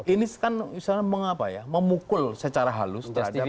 ini kan memukul secara halus terhadap